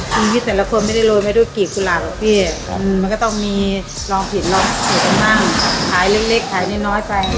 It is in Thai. ทีมพี่แต่ละคนไม่ได้โรยไปด้วยกี่กุหลาก่อนพี่อืมมันก็ต้องมีลองผิดลองผิดต่างขายเล็กขายนิดน้อยไป